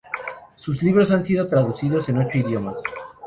Sus libros han sido traducidos en ocho idiomas.